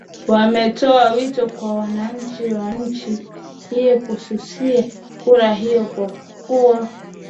wametoa wito kwa wananchi wa nchi hiyo kususia kura hiyo kwa kuwa